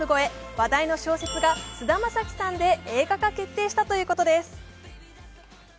話題の小説が菅田将暉さんで映画化決定したということです。